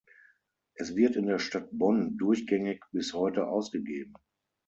Es wird in der Stadt Bonn durchgängig bis heute ausgegeben.